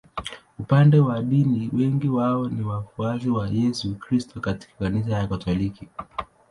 Upande wa dini wengi wao ni wafuasi wa Yesu Kristo katika Kanisa Katoliki.